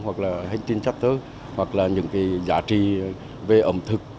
hoặc là hành trình chất thơ hoặc là những cái giá trị về ẩm thực